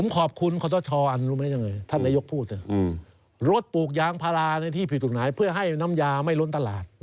ขอบคุณขอต้ชรถปลูกยางพาราในที่ผิดทุกหนายเพื่อให้น้ำยาไม่ล้นตลาด